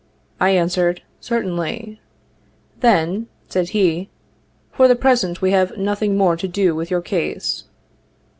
I answered, 'certainly.' Then, said he, ' for the present, we have nothing more to do with your case.'